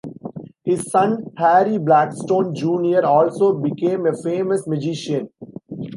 His son Harry Blackstone Junior also became a famous magician.